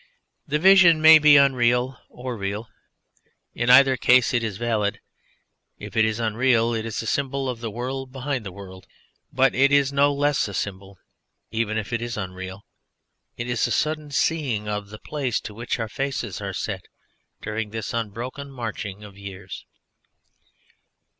The vision may be unreal or real, in either case it is valid: if it is unreal it is a symbol of the world behind the world. But it is no less a symbol; even if it is unreal it is a sudden seeing of the place to which our faces are set during this unbroken marching of years.